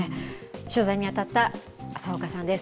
取材に当たった浅岡さんです。